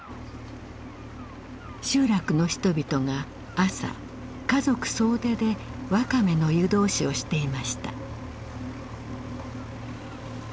集落の人々が朝家族総出でワカメの湯通しをしていました。